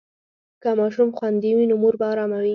که ماشوم خوندي وي، نو مور به ارامه وي.